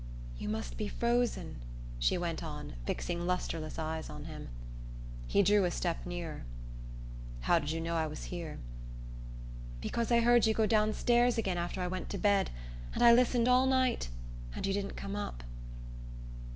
"You must be frozen," she went on, fixing lustreless eyes on him. He drew a step nearer. "How did you know I was here?" "Because I heard you go down stairs again after I went to bed, and I listened all night, and you didn't come up."